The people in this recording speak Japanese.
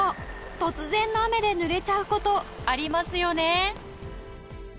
突然の雨でぬれちゃう事ありますよね